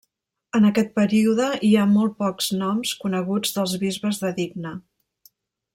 En aquest període hi ha molt pocs noms coneguts dels bisbes de Digne.